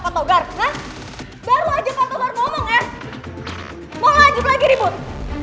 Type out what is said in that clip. mau lanjut lagi ribut